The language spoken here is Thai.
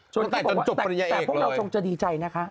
ตั้งแต่จนจบปริญญาเอกเลยแต่พวกเราจงจะดีใจนะคะ